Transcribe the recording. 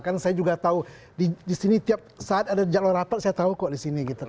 karena saya juga tahu disini tiap saat ada jalur rapat saya tahu kok disini